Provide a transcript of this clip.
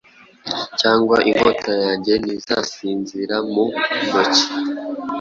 Cyangwa inkota yanjye ntizasinzira mu ntoki,